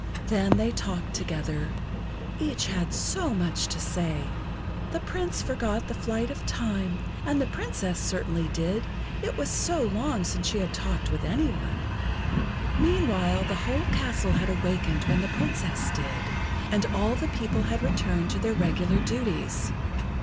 Then they talked together. Each had so much to say. The Prince forgot the flight of time, and the Princess certainly did, it was so long since she had talked with any one. Meanwhile the whole castle had awakened when the Princess did; and all the people had returned to their regular duties.